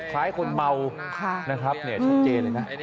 คล้ายคนเมานะครับชัดเจนเลยนะ